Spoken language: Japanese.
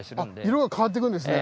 色が変わってくんですね。